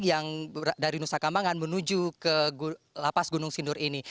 yang dari nusa kambangan menuju ke lapas gunung sindur ini